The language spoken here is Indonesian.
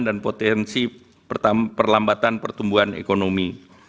dan potensi perlambatan pertumbuhan ekonomi